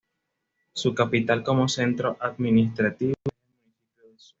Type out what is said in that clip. Su capital, como centro administrativo, es el municipio de Sueca.